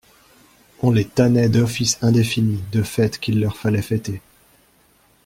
On les tannait d'offices indéfinis, de fêtes qu'il leur fallait fêter.